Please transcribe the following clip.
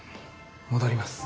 戻ります。